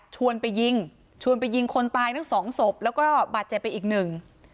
ชวนไปยิงชวนไปยิงคนตายทั้งสองศพแล้วก็บาดเจ็บไปอีกหนึ่ง